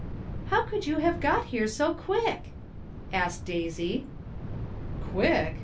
"How could we have got here so quick?" asked Daisy. " Quick